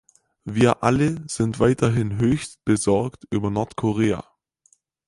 Wir alle sind weiterhin höchst besorgt über Nordkorea.